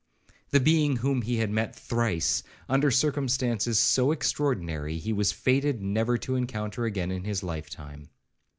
The being whom he had met thrice, under circumstances so extraordinary, he was fated never to encounter again in his life time.